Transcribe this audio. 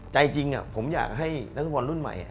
ใจจริงผมอยากให้นักฟุตบอลรุ่นใหม่